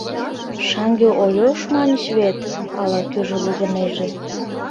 — Шаҥге Ольош маньыч вет? — ала-кӧжӧ лугынеже.